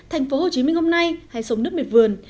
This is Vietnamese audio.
hay sống nước miệt vườn